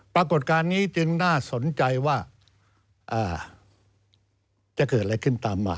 ปรากฏการณ์นี้จึงน่าสนใจว่าจะเกิดอะไรขึ้นตามมา